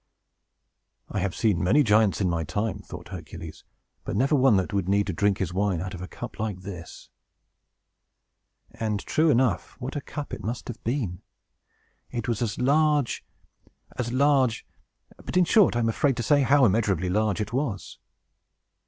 "I have seen many giants, in my time," thought Hercules, "but never one that would need to drink his wine out of a cup like this!" And, true enough, what a cup it must have been! It was as large as large but, in short, I am afraid to say how immeasurably large it was.